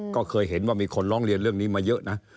ก็เคยเห็นว่ามีคนร้องเรียนเรื่องนี้มาเยอะนะ